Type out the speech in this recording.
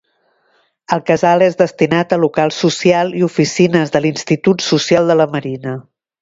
El casal és destinat a local social i oficines de l'Institut Social de la Marina.